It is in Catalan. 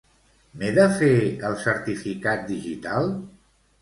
M'he de fer el certificat digital?